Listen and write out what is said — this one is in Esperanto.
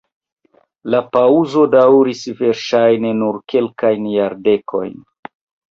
La paŭzo daŭris verŝajne nur kelkajn jardekojn.